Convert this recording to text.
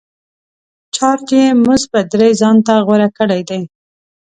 چارج یې مثبت درې ځانته غوره کړی دی.